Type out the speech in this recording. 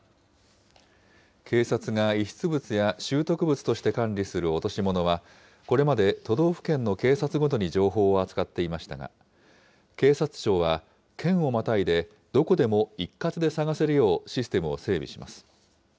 警察が、遺失物や拾得物として管理する落し物は、これまで都道府県の警察ごとに情報を扱っていましたが、警察庁は県をまたいでどこでも一括で探せるよう、システムを整備します。